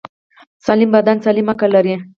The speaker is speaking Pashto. سالم بدن سالم عقل لري.